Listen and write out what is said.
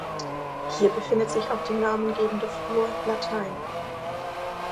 Hier befindet sich auch die namengebende Flur "Latein".